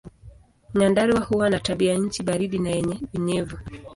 Nyandarua huwa na tabianchi baridi na yenye unyevu.